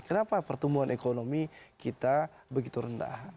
kenapa pertumbuhan ekonomi kita begitu rendah